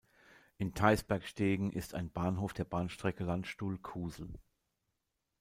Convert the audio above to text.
In Theisbergstegen ist ein Bahnhof der Bahnstrecke Landstuhl–Kusel.